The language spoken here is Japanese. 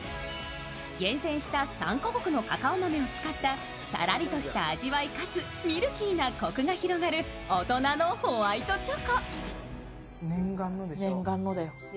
厳選した３か国のカカオ豆を使ったさらりとした味わい、かつミルキーなこくが広がる大人のホワイトチョコ。